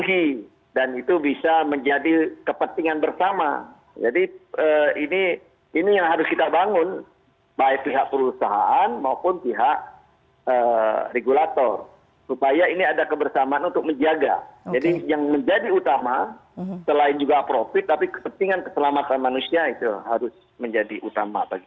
harus menjadi utama bagi kita